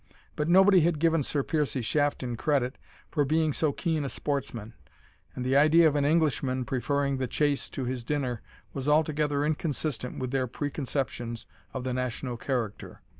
But nobody had given Sir Piercie Shafton credit for being so keen a sportsman, and the idea of an Englishman preferring the chase to his dinner was altogether inconsistent with their preconceptions of the national character.